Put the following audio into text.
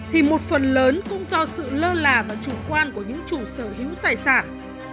thì một phần lớn cũng do sự lơ là và chủ quan của những chủ sở hữu tài sản